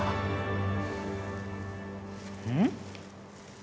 うん？